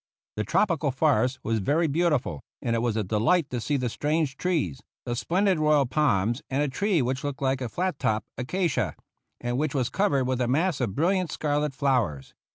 The tropical forest was very beautiful, and it was a delight to see the strange trees, the splendid royal palms and a tree which looked like a flat topped acacia, and which was covered with a mass of brilliant scarlet flowers.